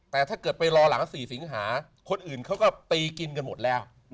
แต่ถ้าเกิดไปรอหลัง๔สิงหาคนอื่นเขาก็ตีกินกันหมดแล้ว